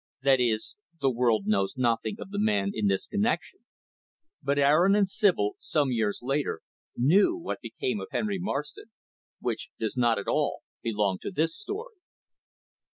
That is, the world knows nothing of the man in this connection. But Aaron and Sibyl, some years later, knew what became of Henry Marston which does not, at all, belong to this story.